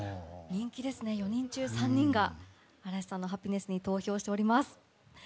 人気ですね、４人中３人が嵐さんの「Ｈａｐｐｉｎｅｓｓ」に投票しております。